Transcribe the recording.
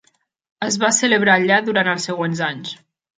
Es va celebrar allà durant els següents anys.